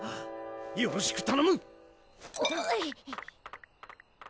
よろしくたのむ！